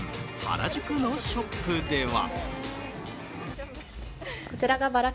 原宿のショップでは。